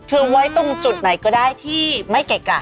คือไว้ตรงจุดไหนก็ได้ที่ไม่เกะกะ